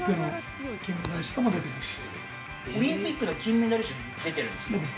オリンピックの金メダリストも出てるんです。